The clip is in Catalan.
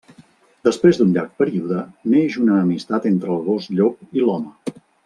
Després d'un llarg període, neix una amistat entre el gos llop i l'home.